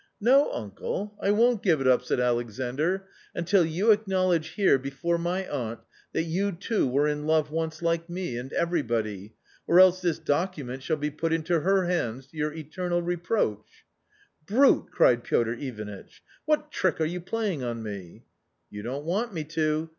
"No, uncle, I won't give it up," said Alexandr, "until you • acknowledge here, before my aunt, that you too were in love 1 once, like me, and everybody .... or else this document 4 shall be put into her hands to your eternal reproach." i " Brute !" cried Piotr Ivanitch, " what trick are you \ playing on me ?"" You don't want me to